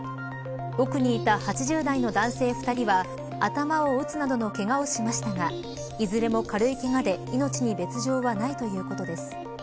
奥にいた８０代の男性２人は頭を打つなどのけがをしましたがいずれも軽いけがで命に別条はないということです。